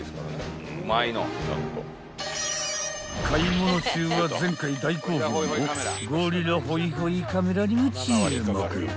［買い物中は前回大好評のゴリラホイホイカメラにも注目］